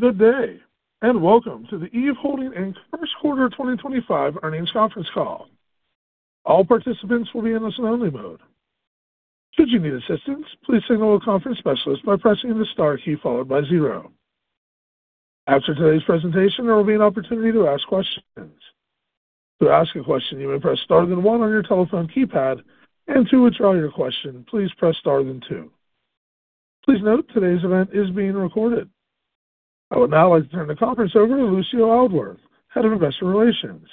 Good day, and welcome to the Eve Holding's first quarter 2025 earnings conference call. All participants will be in a listen-only mode. Should you need assistance, please signal a conference specialist by pressing the star key followed by zero. After today's presentation, there will be an opportunity to ask questions. To ask a question, you may press star then one on your telephone keypad, and to withdraw your question, please press star then two. Please note today's event is being recorded. I would now like to turn the conference over to Lucio Aldworth, Director of Investor Relations.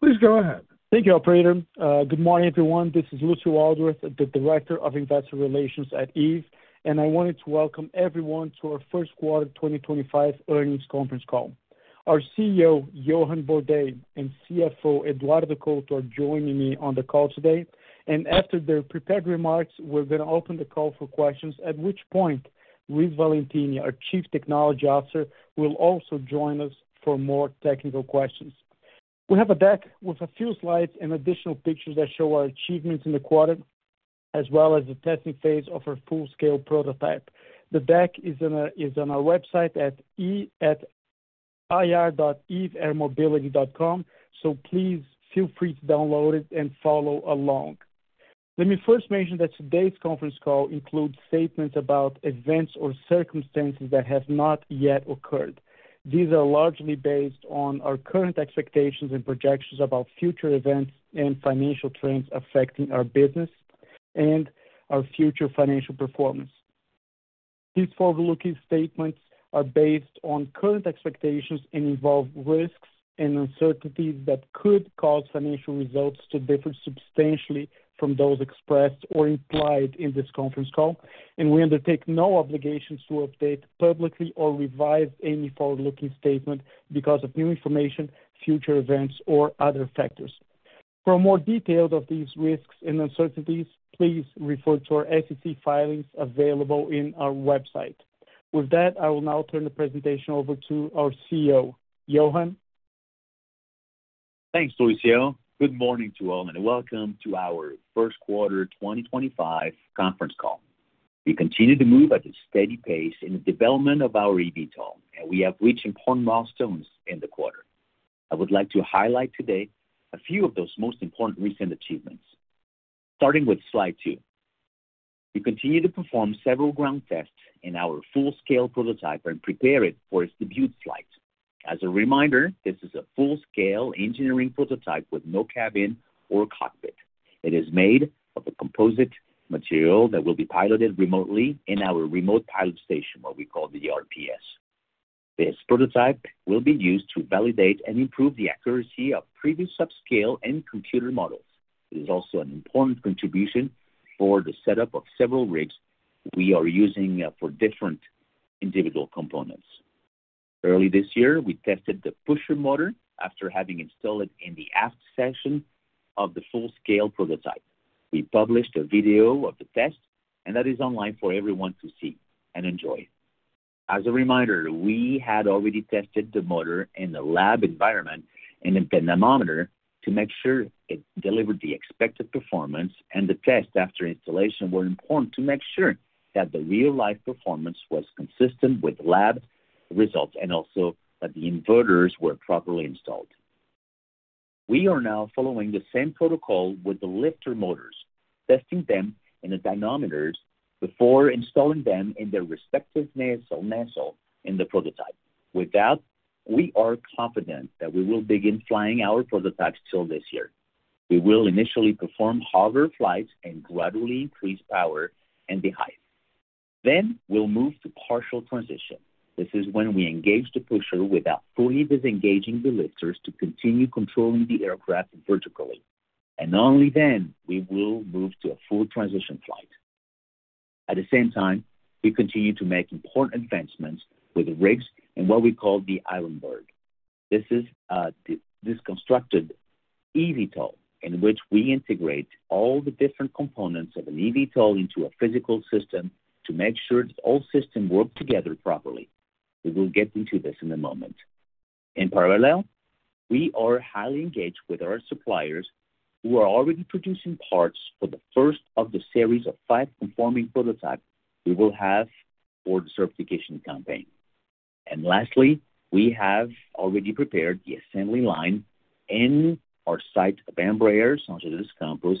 Please go ahead. Thank you, Operator. Good morning, everyone. This is Lucio Aldworth, the Director of Investor Relations at Eve, and I wanted to welcome everyone to our first quarter 2025 earnings conference call. Our CEO, Johann Bordais, and CFO Eduardo Couto are joining me on the call today, and after their prepared remarks, we're going to open the call for questions, at which point Luiz Valentini, our Chief Technology Officer, will also join us for more technical questions. We have a deck with a few slides and additional pictures that show our achievements in the quarter, as well as the testing phase of our full-scale prototype. The deck is on our website at ir.eveairmobility.com, so please feel free to download it and follow along. Let me first mention that today's conference call includes statements about events or circumstances that have not yet occurred. These are largely based on our current expectations and projections about future events and financial trends affecting our business and our future financial performance. These forward-looking statements are based on current expectations and involve risks and uncertainties that could cause financial results to differ substantially from those expressed or implied in this conference call, and we undertake no obligations to update publicly or revise any forward-looking statement because of new information, future events, or other factors. For more details of these risks and uncertainties, please refer to our SEC filings available on our website. With that, I will now turn the presentation over to our CEO, Johann. Thanks, Lucio. Good morning to all, and welcome to our first quarter 2025 conference call. We continue to move at a steady pace in the development of our eVTOL, and we have reached important milestones in the quarter. I would like to highlight today a few of those most important recent achievements, starting with slide two. We continue to perform several ground tests in our full-scale prototype and prepare it for its debut flight. As a reminder, this is a full-scale engineering prototype with no cabin or cockpit. It is made of a composite material that will be piloted remotely in our remote pilot station, what we call the RPS. This prototype will be used to validate and improve the accuracy of previous subscale and computer models. It is also an important contribution for the setup of several rigs we are using for different individual components. Early this year, we tested the pusher motor after having installed it in the aft section of the full-scale prototype. We published a video of the test, and that is online for everyone to see and enjoy. As a reminder, we had already tested the motor in the lab environment and in the dynamometer to make sure it delivered the expected performance, and the tests after installation were important to make sure that the real-life performance was consistent with lab results and also that the inverters were properly installed. We are now following the same protocol with the lifter motors, testing them in the dynamometers before installing them in their respective nacelle in the prototype. With that, we are confident that we will begin flying our prototypes till this year. We will initially perform hover flights and gradually increase power and the height. Then we'll move to partial transition. This is when we engage the pusher without fully disengaging the lifters to continue controlling the aircraft vertically, and only then will we move to a full transition flight. At the same time, we continue to make important advancements with rigs in what we call the Iron Bird. This is a constructed eVTOL in which we integrate all the different components of an eVTOL into a physical system to make sure that all systems work together properly. We will get into this in a moment. In parallel, we are highly engaged with our suppliers who are already producing parts for the first of the series of five conforming prototypes we will have for the certification campaign. Lastly, we have already prepared the assembly line in our site of Embraer, São José dos Campos,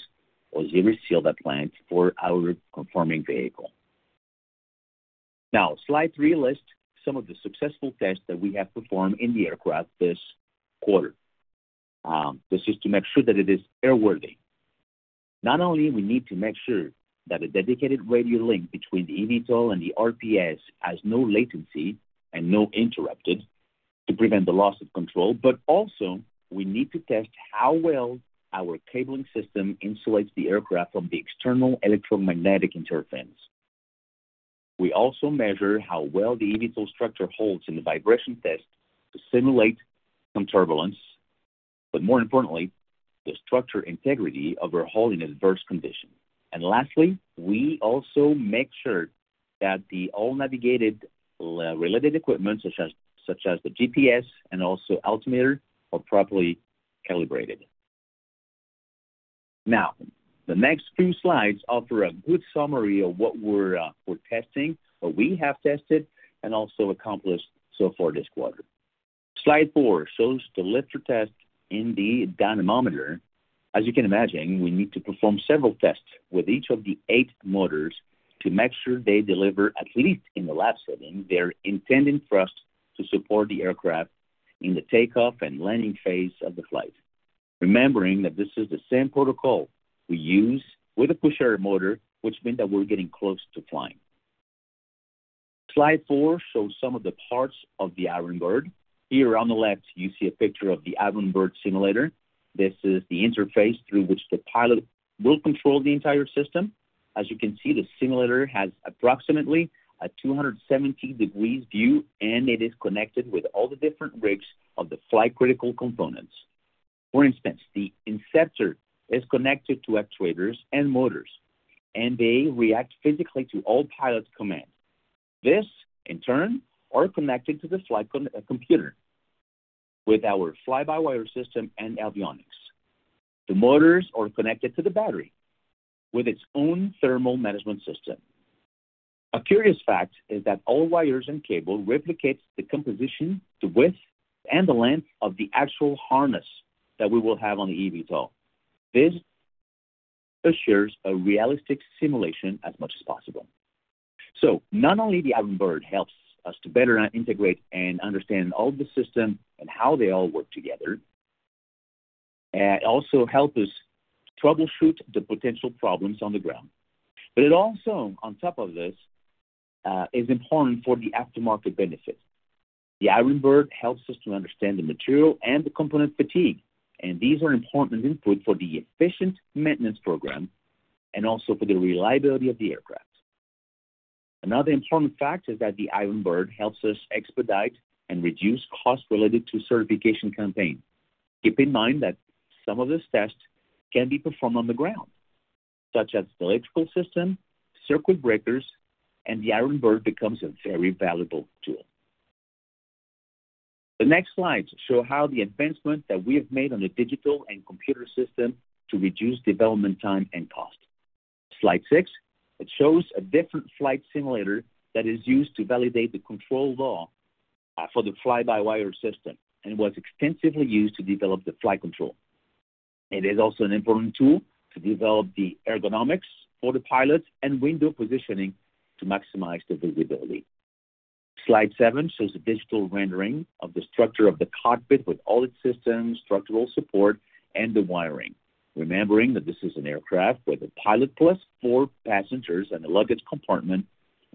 Eugênio de Melo plant for our conforming vehicle. Now, slide three lists some of the successful tests that we have performed in the aircraft this quarter. This is to make sure that it is airworthy. Not only do we need to make sure that a dedicated radio link between the eVTOL and the RPS has no latency and no interruption to prevent the loss of control, but also we need to test how well our cabling system insulates the aircraft from the external electromagnetic interference. We also measure how well the eVTOL structure holds in the vibration test to simulate some turbulence, but more importantly, the structural integrity of our hull in adverse conditions. Lastly, we also make sure that all navigation related equipment, such as the GPS and also altimeter, are properly calibrated. Now, the next few slides offer a good summary of what we're testing, what we have tested, and also accomplished so far this quarter. Slide four shows the lifter test in the dynamometer. As you can imagine, we need to perform several tests with each of the eight motors to make sure they deliver, at least in the lab setting, their intended thrust to support the aircraft in the takeoff and landing phase of the flight, remembering that this is the same protocol we use with the pusher motor, which means that we're getting close to flying. Slide four shows some of the parts of the Iron Bird. Here on the left, you see a picture of the Iron Bird simulator. This is the interface through which the pilot will control the entire system. As you can see, the simulator has approximately a 270-degree view, and it is connected with all the different rigs of the flight-critical components. For instance, the inceptor is connected to actuators and motors, and they react physically to all pilot commands. This, in turn, is connected to the flight computer with our fly-by-wire system and avionics. The motors are connected to the battery with its own thermal management system. A curious fact is that all wires and cables replicate the composition, the width, and the length of the actual harness that we will have on the eVTOL. This assures a realistic simulation as much as possible. Not only does the Iron Bird help us to better integrate and understand all the systems and how they all work together, it also helps us troubleshoot the potential problems on the ground. It also, on top of this, is important for the aftermarket benefit. The Iron Bird helps us to understand the material and the component fatigue, and these are important inputs for the efficient maintenance program and also for the reliability of the aircraft. Another important fact is that the Iron Bird helps us expedite and reduce costs related to certification campaigns. Keep in mind that some of these tests can be performed on the ground, such as the electrical system, circuit breakers, and the Iron Bird becomes a very valuable tool. The next slides show how the advancements that we have made on the digital and computer system to reduce development time and cost. Slide six, it shows a different flight simulator that is used to validate the control law for the fly-by-wire system and was extensively used to develop the flight control. It is also an important tool to develop the ergonomics for the pilots and window positioning to maximize the visibility. Slide seven shows a digital rendering of the structure of the cockpit with all its systems, structural support, and the wiring, remembering that this is an aircraft with a pilot plus four passengers and a luggage compartment,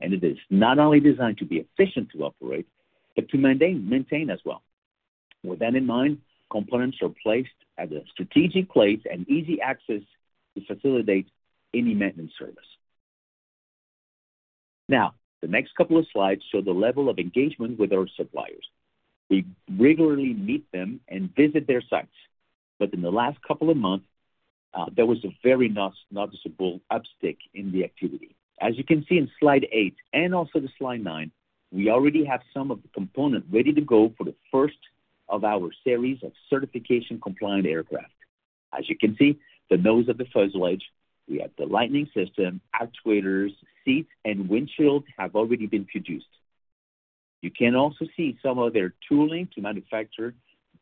and it is not only designed to be efficient to operate but to maintain as well. With that in mind, components are placed at a strategic place and easy access to facilitate any maintenance service. Now, the next couple of slides show the level of engagement with our suppliers. We regularly meet them and visit their sites, but in the last couple of months, there was a very noticeable uptick in the activity. As you can see in slide eight and also slide nine, we already have some of the components ready to go for the first of our series of certification-compliant aircraft. As you can see, the nose of the fuselage, we have the lighting system, actuators, seats, and windshield have already been produced. You can also see some of their tooling to manufacture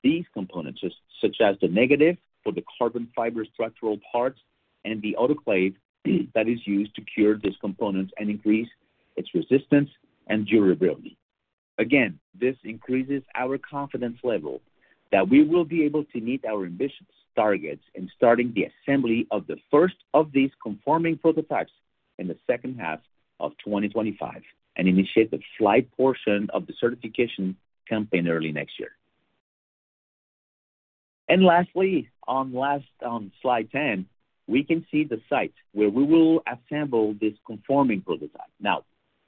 these components, such as the negative for the carbon fiber structural parts and the autoclave that is used to cure these components and increase its resistance and durability. Again, this increases our confidence level that we will be able to meet our ambitions, targets, and start the assembly of the first of these conforming prototypes in the second half of 2025 and initiate the flight portion of the certification campaign early next year. Lastly, on slide 10, we can see the site where we will assemble this conforming prototype. Now,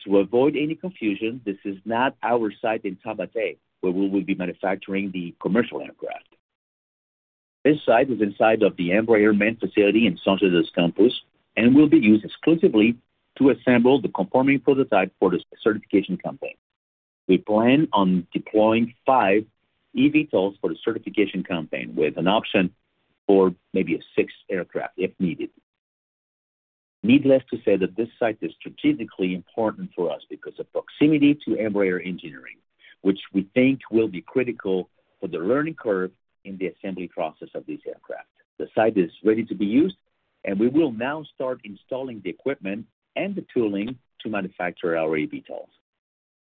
to avoid any confusion, this is not our site in Tabaté where we will be manufacturing the commercial aircraft. This site is inside of the Embraer main facility in São José dos Campos and will be used exclusively to assemble the conforming prototype for the certification campaign. We plan on deploying five eVTOLs for the certification campaign with an option for maybe a sixth aircraft if needed. Needless to say that this site is strategically important for us because of proximity to Embraer Engineering, which we think will be critical for the learning curve in the assembly process of these aircraft. The site is ready to be used, and we will now start installing the equipment and the tooling to manufacture our eVTOLs.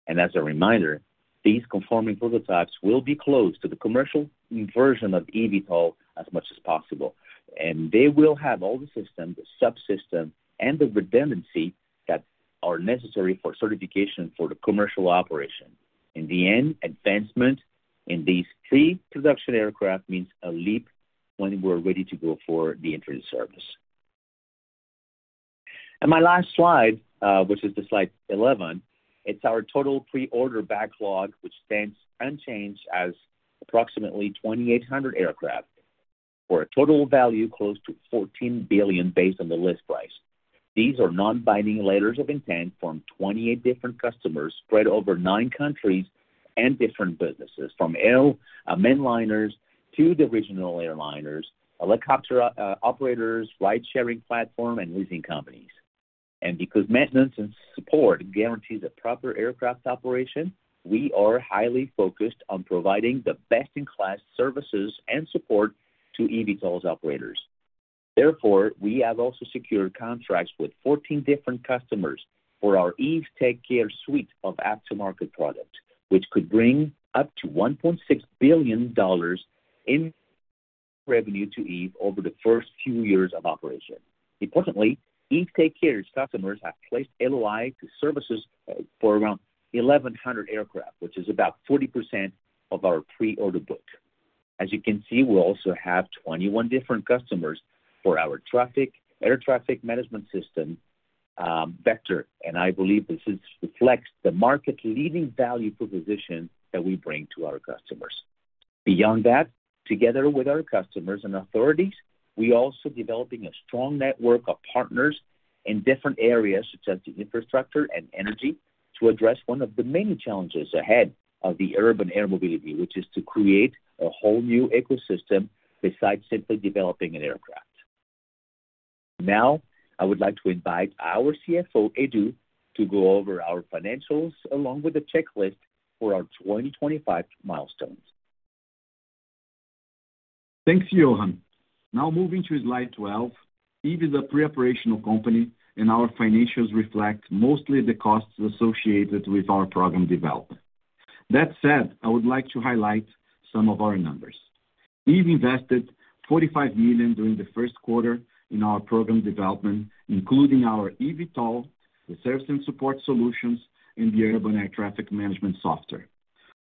As a reminder, these conforming prototypes will be close to the commercial version of eVTOL as much as possible, and they will have all the systems, the subsystems, and the redundancy that are necessary for certification for the commercial operation. In the end, advancement in these three production aircraft means a leap when we're ready to go for the entry to service. My last slide, which is slide 11, is our total pre-order backlog, which stands unchanged at approximately 2,800 aircraft for a total value close to $14 billion based on the list price. These are non-binding letters of intent from 28 different customers spread over nine countries and different businesses, from airline liners to the regional airliners, helicopter operators, ride-sharing platforms, and leasing companies. Because maintenance and support guarantees a proper aircraft operation, we are highly focused on providing the best-in-class services and support to eVTOL operators. Therefore, we have also secured contracts with 14 different customers for our EveTakeCare suite of aftermarket products, which could bring up to $1.6 billion in revenue to Eve over the first few years of operation. Importantly, EveTakeCare's customers have placed LOI to services for around 1,100 aircraft, which is about 40% of our pre-order book. As you can see, we also have 21 different customers for our air traffic management system Vector, and I believe this reflects the market-leading value proposition that we bring to our customers. Beyond that, together with our customers and authorities, we are also developing a strong network of partners in different areas, such as the infrastructure and energy, to address one of the many challenges ahead of the urban air mobility, which is to create a whole new ecosystem besides simply developing an aircraft. Now, I would like to invite our CFO, Edu, to go over our financials along with a checklist for our 2025 milestones. Thanks, Johann. Now, moving to slide 12, Eve is a pre-operational company, and our financials reflect mostly the costs associated with our program development. That said, I would like to highlight some of our numbers. Eve invested $45 million during the first quarter in our program development, including our eVTOL, the service and support solutions, and the urban air traffic management software.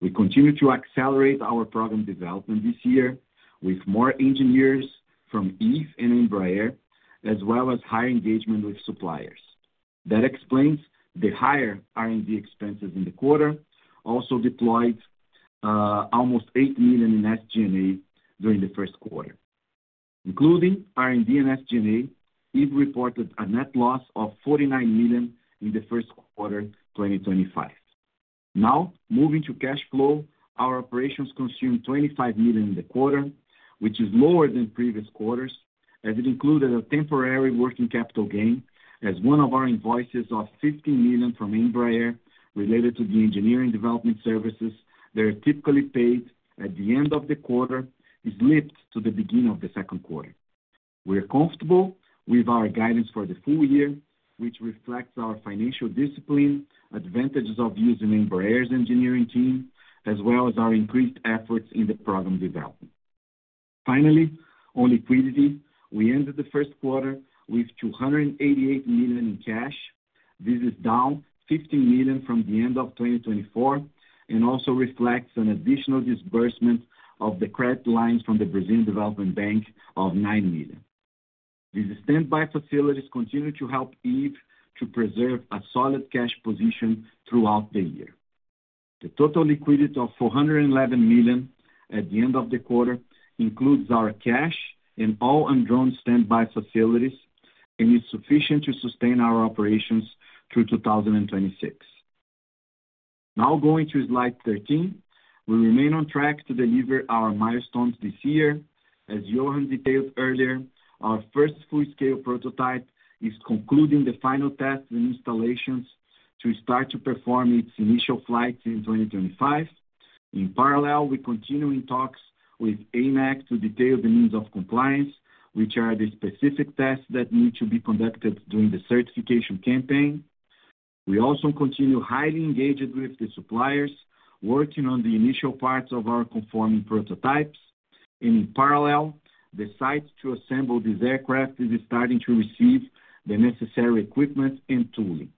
We continue to accelerate our program development this year with more engineers from Eve and Embraer, as well as higher engagement with suppliers. That explains the higher R&D expenses in the quarter, also deployed almost $8 million in SG&A during the first quarter. Including R&D and SG&A, Eve reported a net loss of $49 million in the first quarter 2025. Now, moving to cash flow, our operations consumed $25 million in the quarter, which is lower than previous quarters, as it included a temporary working capital gain. As one of our invoices of $15 million from Embraer related to the engineering development services that are typically paid at the end of the quarter is leaped to the beginning of the second quarter. We are comfortable with our guidance for the full year, which reflects our financial discipline, advantages of using Embraer's engineering team, as well as our increased efforts in the program development. Finally, on liquidity, we ended the first quarter with $288 million in cash. This is down $15 million from the end of 2024 and also reflects an additional disbursement of the credit lines from the Brazilian Development Bank of $9 million. These standby facilities continue to help Eve to preserve a solid cash position throughout the year. The total liquidity of $411 million at the end of the quarter includes our cash and all-endurance standby facilities and is sufficient to sustain our operations through 2026. Now, going to slide 13, we remain on track to deliver our milestones this year. As Johann detailed earlier, our first full-scale prototype is concluding the final tests and installations to start to perform its initial flights in 2025. In parallel, we continue in talks with AMAC to detail the means of compliance, which are the specific tests that need to be conducted during the certification campaign. We also continue highly engaged with the suppliers, working on the initial parts of our conforming prototypes. In parallel, the site to assemble these aircraft is starting to receive the necessary equipment and tooling.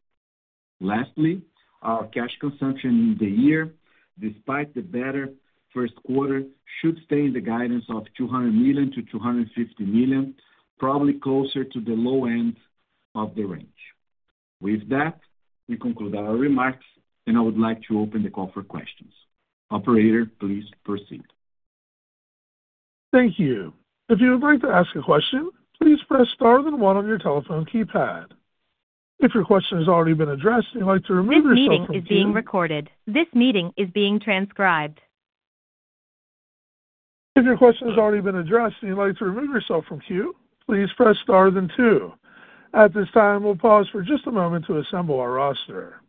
Lastly, our cash consumption in the year, despite the better first quarter, should stay in the guidance of $200 million-$250 million, probably closer to the low end of the range. With that, we conclude our remarks, and I would like to open the call for questions. Operator, please proceed. Thank you. If you would like to ask a question, please press star then one on your telephone keypad. If your question has already been addressed and you'd like to remove yourself from the queue, please press star then two. This meeting is being recorded. This meeting is being transcribed. At this time, we'll pause for just a moment to assemble our roster.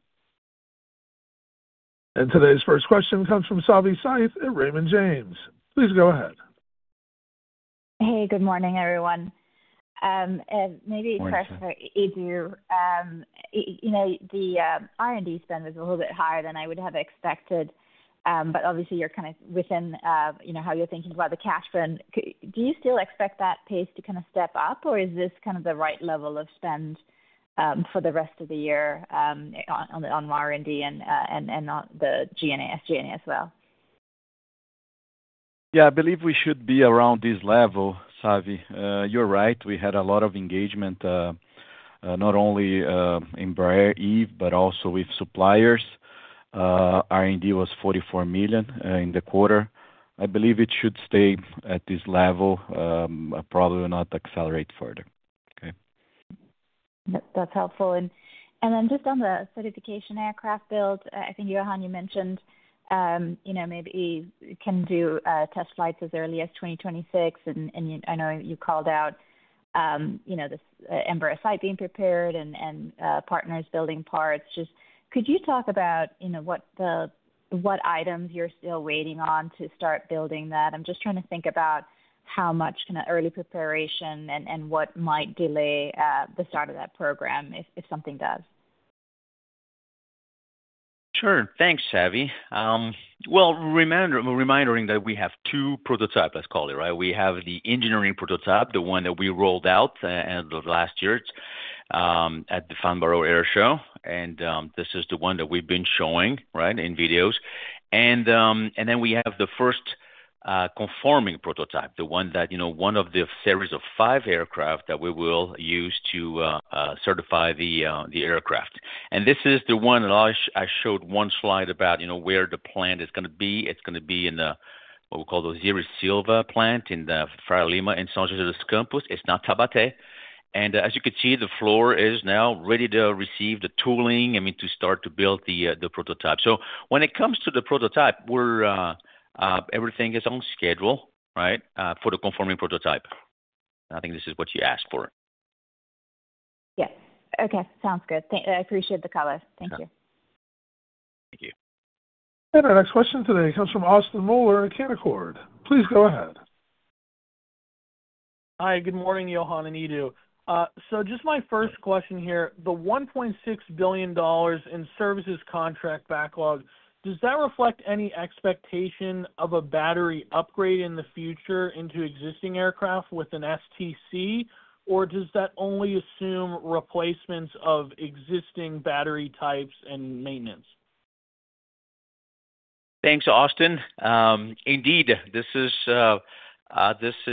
Today's first question comes from Savi Syth at Raymond James. Please go ahead. Hey, good morning, everyone. Maybe first, Edu, the R&D spend was a little bit higher than I would have expected, but obviously, you're kind of within how you're thinking about the cash spend. Do you still expect that pace to kind of step up, or is this kind of the right level of spend for the rest of the year on R&D and on the SG&A as well? Yeah, I believe we should be around this level, Savi. You're right. We had a lot of engagement, not only Embraer, Eve, but also with suppliers. R&D was $44 million in the quarter. I believe it should stay at this level, probably not accelerate further. Okay. That's helpful. And then just on the certification aircraft build, I think Johann, you mentioned maybe you can do test flights as early as 2026, and I know you called out this Embraer site being prepared and partners building parts. Just could you talk about what items you're still waiting on to start building that? I'm just trying to think about how much kind of early preparation and what might delay the start of that program if something does. Sure. Thanks, Savi. Reminding that we have two prototypes, let's call it, right? We have the engineering prototype, the one that we rolled out last year at the Farnborough Air Show, and this is the one that we've been showing, right, in videos. Then we have the first conforming prototype, the one that is one of the series of five aircraft that we will use to certify the aircraft. This is the one I showed one slide about where the plant is going to be. It's going to be in what we call the Zero Silva plant in the Feralima in São José dos Campos. It's not Tabaté. As you can see, the floor is now ready to receive the tooling and to start to build the prototype. When it comes to the prototype, everything is on schedule, right, for the conforming prototype. I think this is what you asked for. Yes. Okay. Sounds good. I appreciate the color. Thank you. Thank you. Our next question today comes from Austin Mueller at Canaccord. Please go ahead. Hi. Good morning, Johann and Edu. Just my first question here. The $1.6 billion in services contract backlog, does that reflect any expectation of a battery upgrade in the future into existing aircraft with an STC, or does that only assume replacements of existing battery types and maintenance? Thanks, Austin. Indeed, this is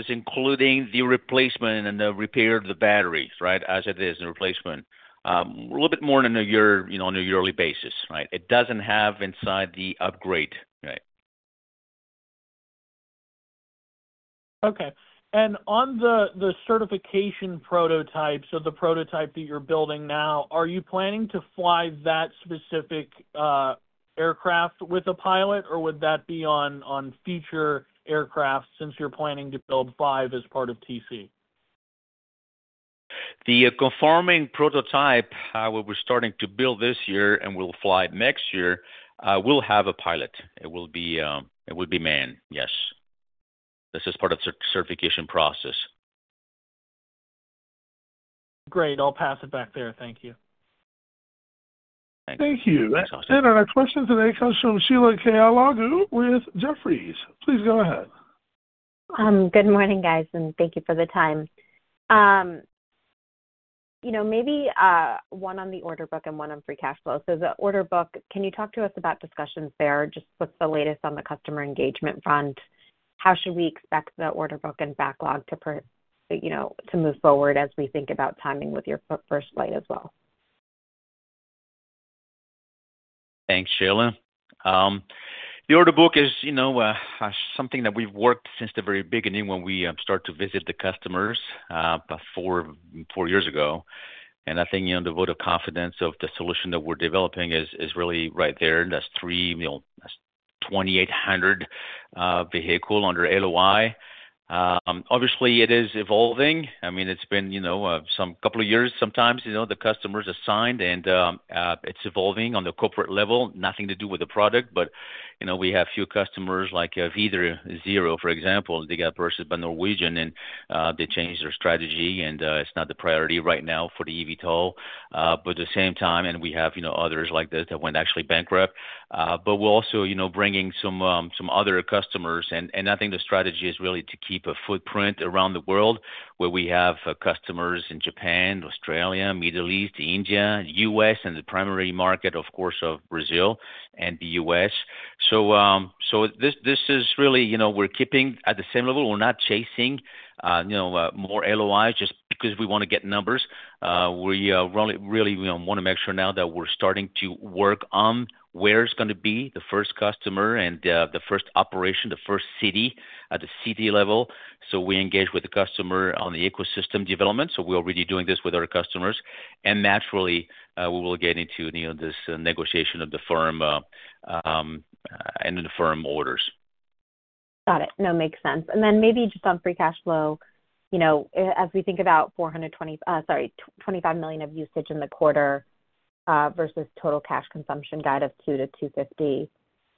including the replacement and the repair of the batteries, right, as it is, the replacement. A little bit more on a yearly basis, right? It doesn't have inside the upgrade, right? Okay. And on the certification prototype, so the prototype that you're building now, are you planning to fly that specific aircraft with a pilot, or would that be on future aircraft since you're planning to build five as part of TC? The conforming prototype we're starting to build this year and we'll fly it next year, will have a pilot. It will be manned, yes. This is part of the certification process. Great. I'll pass it back there. Thank you. Thank you. Thank you. Our next question today comes from Sheila Kahyaoglu with Jefferies. Please go ahead. Good morning, guys, and thank you for the time. Maybe one on the order book and one on free cash flow. The order book, can you talk to us about discussions there? Just what's the latest on the customer engagement front? How should we expect the order book and backlog to move forward as we think about timing with your first flight as well? Thanks, Sheila. The order book is something that we've worked since the very beginning when we started to visit the customers four years ago. I think the vote of confidence of the solution that we're developing is really right there. That's 2,800 vehicles under LOI. Obviously, it is evolving. I mean, it's been a couple of years sometimes, the customers assigned, and it's evolving on the corporate level. Nothing to do with the product, but we have few customers like Vizer Zero, for example. They got purchased by Norwegian, and they changed their strategy, and it's not the priority right now for the eVTOL. At the same time, we have others like this that went actually bankrupt. We're also bringing some other customers. I think the strategy is really to keep a footprint around the world where we have customers in Japan, Australia, the Middle East, India, the U.S., and the primary market, of course, of Brazil and the U.S. This is really where we're keeping at the same level. We're not chasing more LOIs just because we want to get numbers. We really want to make sure now that we're starting to work on where it's going to be the first customer and the first operation, the first city at the city level. We engage with the customer on the ecosystem development. We're already doing this with our customers. Naturally, we will get into this negotiation of the firm and the firm orders. Got it. No, makes sense. Maybe just on free cash flow, as we think about $25 million of usage in the quarter versus total cash consumption guide of $200 million-$250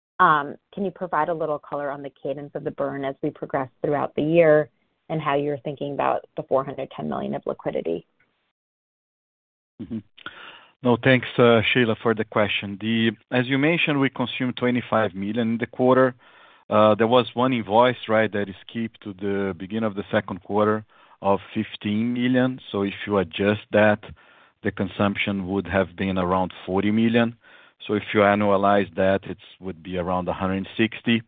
million, can you provide a little color on the cadence of the burn as we progress throughout the year and how you're thinking about the $410 million of liquidity? No, thanks, Sheila, for the question. As you mentioned, we consumed $25 million in the quarter. There was one invoice, right, that is kept to the beginning of the second quarter of $15 million. If you adjust that, the consumption would have been around $40 million. If you annualize that, it would be around $160 million.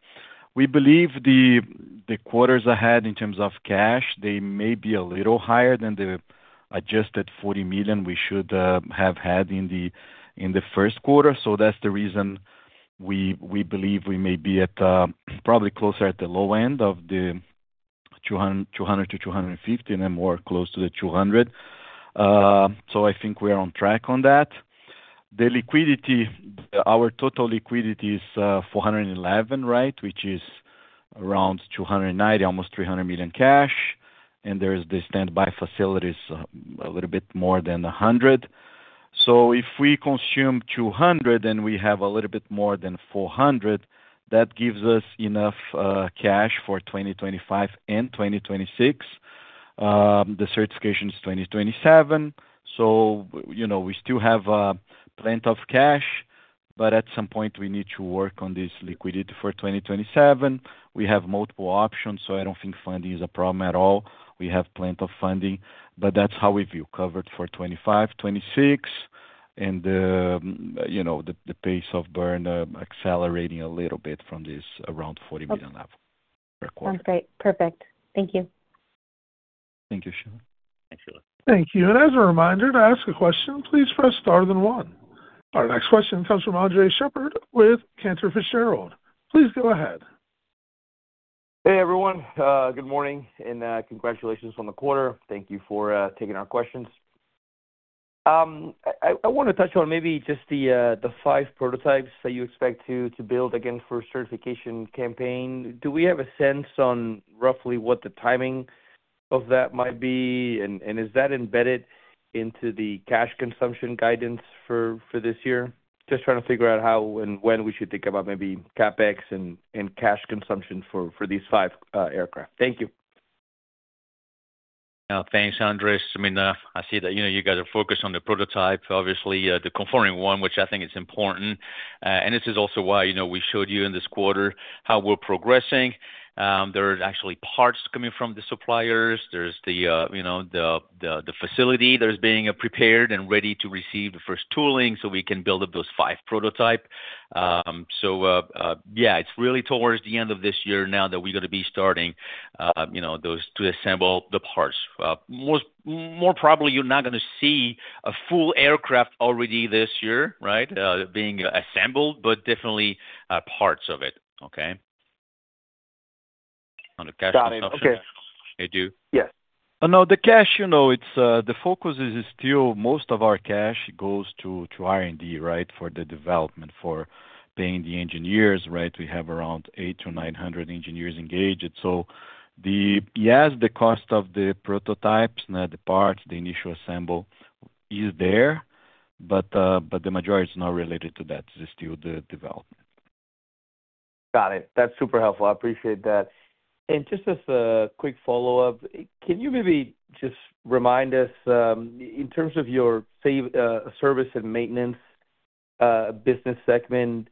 We believe the quarters ahead in terms of cash, they may be a little higher than the adjusted $40 million we should have had in the first quarter. That's the reason we believe we may be probably closer at the low end of the $200 million-$250 million and then more close to the $200 million. I think we are on track on that. The liquidity, our total liquidity is $411 million, right, which is around $290 million, almost $300 million cash. And there's the standby facilities, a little bit more than $100 million. If we consume $200 million and we have a little bit more than $400 million, that gives us enough cash for 2025 and 2026. The certification is 2027. We still have plenty of cash, but at some point, we need to work on this liquidity for 2027. We have multiple options, so I don't think funding is a problem at all. We have plenty of funding, but that's how we view covered for 2025, 2026, and the pace of burn accelerating a little bit from this around $40 million level per quarter. Sounds great. Perfect. Thank you. Thank you, Sheila. Thanks, Sheila. Thank you. As a reminder to ask a question, please press star then one. Our next question comes from Andres Sheppard with Cantor Fitzgerald. Please go ahead. Hey, everyone. Good morning and congratulations on the quarter. Thank you for taking our questions. I want to touch on maybe just the five prototypes that you expect to build again for certification campaign. Do we have a sense on roughly what the timing of that might be, and is that embedded into the cash consumption guidance for this year? Just trying to figure out how and when we should think about maybe CapEx and cash consumption for these five aircraft. Thank you. Thanks, Andre. I mean, I see that you guys are focused on the prototype, obviously, the conforming one, which I think is important. This is also why we showed you in this quarter how we're progressing. There are actually parts coming from the suppliers. There is the facility that is being prepared and ready to receive the first tooling so we can build up those five prototypes. Yeah, it is really towards the end of this year now that we're going to be starting to assemble the parts. More probably, you're not going to see a full aircraft already this year, right, being assembled, but definitely parts of it, okay? On the cash consumption. Okay. You do? Yes. No, the cash, the focus is still most of our cash goes to R&D, right, for the development, for paying the engineers, right? We have around 800 to 900 engineers engaged. Yes, the cost of the prototypes, the parts, the initial assemble is there, but the majority is not related to that. This is still the development. Got it. That's super helpful. I appreciate that. Just as a quick follow-up, can you maybe just remind us in terms of your service and maintenance business segment,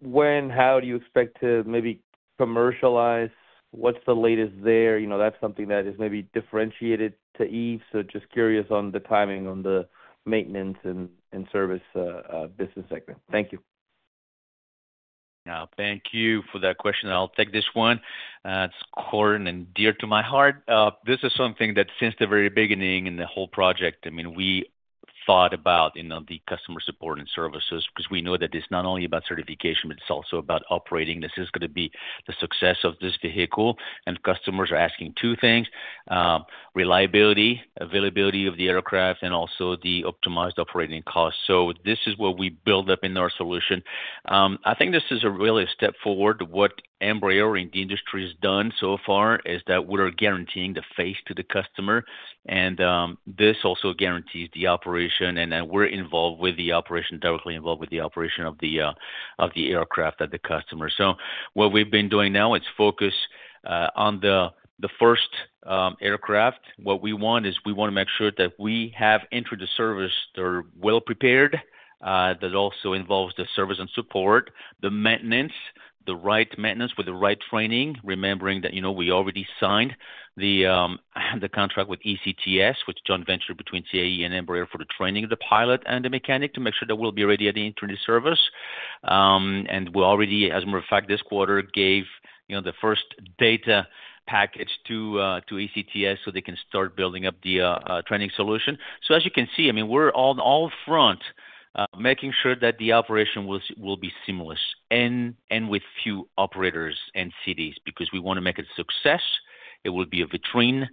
when and how do you expect to maybe commercialize? What's the latest there? That's something that is maybe differentiated to Eve. Just curious on the timing on the maintenance and service business segment. Thank you. Thank you for that question. I'll take this one. It's important and dear to my heart. This is something that since the very beginning in the whole project, I mean, we thought about the customer support and services because we know that it's not only about certification, but it's also about operating. This is going to be the success of this vehicle. Customers are asking two things: reliability, availability of the aircraft, and also the optimized operating cost. This is what we build up in our solution. I think this is really a step forward to what Embraer in the industry has done so far is that we are guaranteeing the face to the customer. This also guarantees the operation, and then we're involved with the operation, directly involved with the operation of the aircraft at the customer. What we've been doing now, it's focus on the first aircraft. What we want is we want to make sure that we have entered the service that are well prepared, that also involves the service and support, the maintenance, the right maintenance with the right training, remembering that we already signed the contract with ECTS, which joint venture between CAE and Embraer for the training of the pilot and the mechanic to make sure that we'll be ready at the entry to service. We already, as a matter of fact, this quarter gave the first data package to ECTS so they can start building up the training solution. As you can see, I mean, we're on all front making sure that the operation will be seamless and with few operators and cities because we want to make it a success. It will be a vitrine,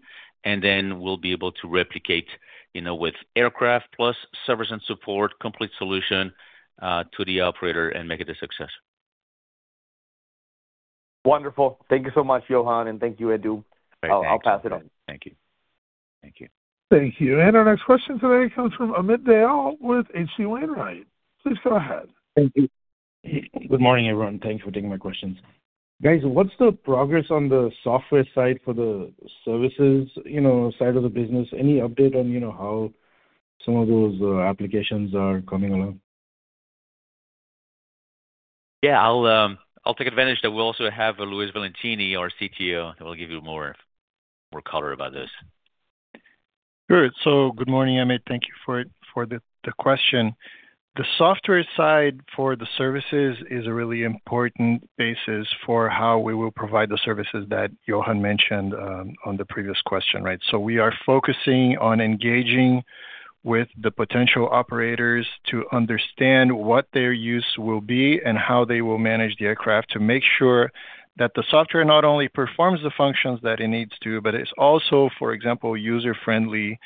and then we'll be able to replicate with aircraft plus service and support, complete solution to the operator and make it a success. Wonderful. Thank you so much, Johann, and thank you, Edu. I'll pass it on. Thank you. Thank you. Thank you. Our next question today comes from Amit Dayal with HC Landright. Please go ahead. Thank you. Good morning, everyone. Thanks for taking my questions. Guys, what's the progress on the software side for the services side of the business? Any update on how some of those applications are coming along? Yeah. I'll take advantage that we also have Luiz Valentini, our CTO, that will give you more color about this. Good. Good morning, Amit. Thank you for the question. The software side for the services is a really important basis for how we will provide the services that Johann mentioned on the previous question, right? We are focusing on engaging with the potential operators to understand what their use will be and how they will manage the aircraft to make sure that the software not only performs the functions that it needs to, but it's also, for example, user-friendly,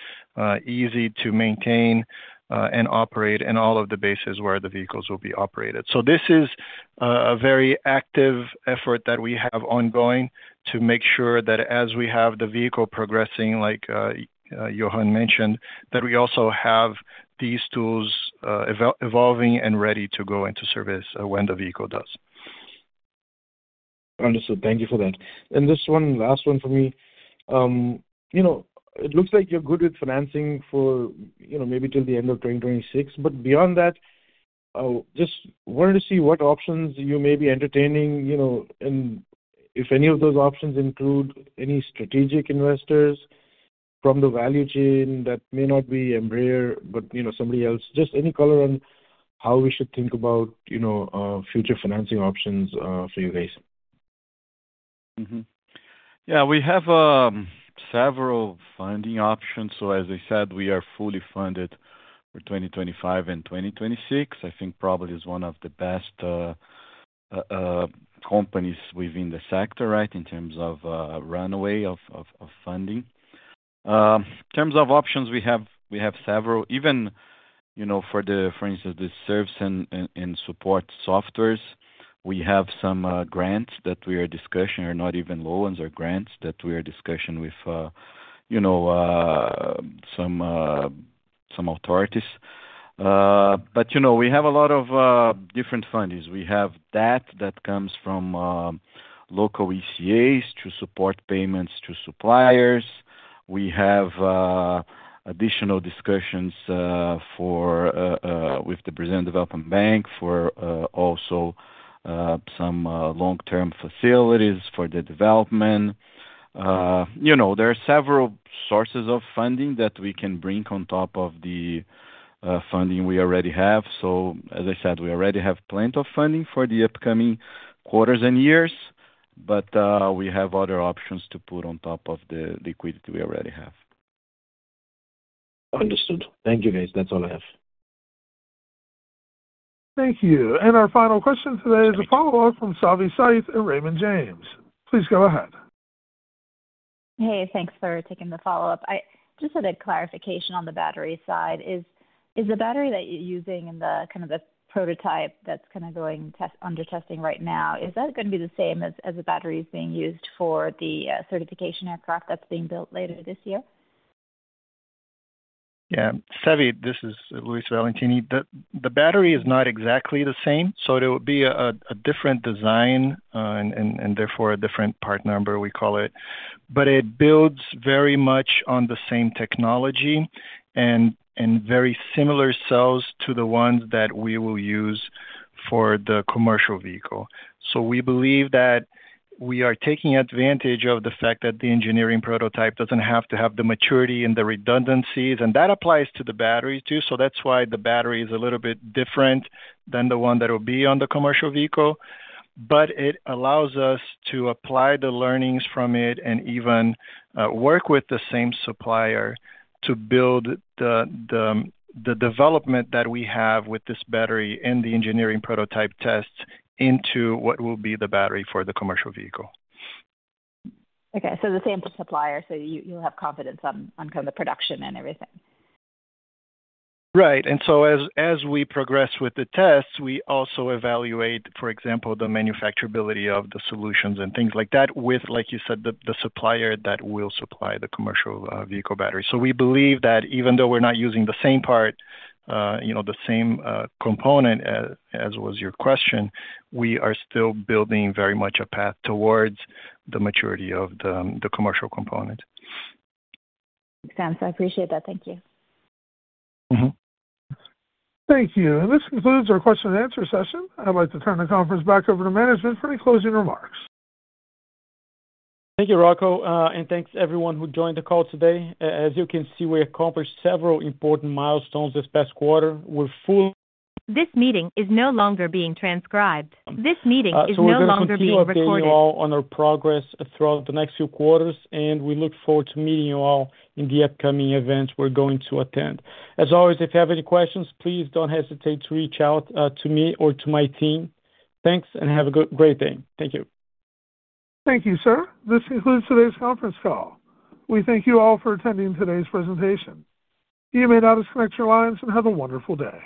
easy to maintain and operate in all of the bases where the vehicles will be operated. This is a very active effort that we have ongoing to make sure that as we have the vehicle progressing, like Johann mentioned, we also have these tools evolving and ready to go into service when the vehicle does. Understood. Thank you for that. This one, last one for me.It looks like you're good with financing for maybe till the end of 2026. Beyond that, just wanted to see what options you may be entertaining and if any of those options include any strategic investors from the value chain that may not be Embraer, but somebody else. Just any color on how we should think about future financing options for you guys. Yeah. We have several funding options. As I said, we are fully funded for 2025 and 2026. I think probably is one of the best companies within the sector, right, in terms of runway of funding. In terms of options, we have several. Even for the, for instance, the service and support softwares, we have some grants that we are discussing. They're not even loans or grants that we are discussing with some authorities. We have a lot of different fundings. We have that comes from local ECAs to support payments to suppliers. We have additional discussions with the Brazilian Development Bank for also some long-term facilities for the development. There are several sources of funding that we can bring on top of the funding we already have. As I said, we already have plenty of funding for the upcoming quarters and years, but we have other options to put on top of the liquidity we already have. Understood. Thank you, guys. That's all I have. Thank you. Our final question today is a follow-up from Savi Syth and Raymond James. Please go ahead. Hey, thanks for taking the follow-up. Just a clarification on the battery side. Is the battery that you're using in the kind of the prototype that's kind of going under testing right now, is that going to be the same as the battery is being used for the certification aircraft that's being built later this year? Yeah. Savi, this is Luiz Valentini. The battery is not exactly the same. It will be a different design and therefore a different part number, we call it. It builds very much on the same technology and very similar cells to the ones that we will use for the commercial vehicle. We believe that we are taking advantage of the fact that the engineering prototype doesn't have to have the maturity and the redundancies. That applies to the batteries too. That's why the battery is a little bit different than the one that will be on the commercial vehicle. It allows us to apply the learnings from it and even work with the same supplier to build the development that we have with this battery and the engineering prototype tests into what will be the battery for the commercial vehicle. Okay. The same supplier. You'll have confidence on kind of the production and everything, Right. As we progress with the tests, we also evaluate, for example, the manufacturability of the solutions and things like that with, like you said, the supplier that will supply the commercial vehicle battery. We believe that even though we're not using the same part, the same component as was your question, we are still building very much a path towards the maturity of the commercial component. Makes sense. I appreciate that. Thank you. Thank you. This concludes our question and answer session. I'd like to turn the conference back over to management for any closing remarks. Thank you, Rocco. And thanks everyone who joined the call today. As you can see, we accomplished several important milestones this past quarter. We're fully. This meeting is no longer being transcribed. This meeting is no longer being recorded. I'd like to thank you all on our progress throughout the next few quarters, and we look forward to meeting you all in the upcoming events we're going to attend. As always, if you have any questions, please don't hesitate to reach out to me or to my team. Thanks, and have a great day. Thank you. Thank you, sir. This concludes today's conference call. We thank you all for attending today's presentation. You may now disconnect your lines and have a wonderful day.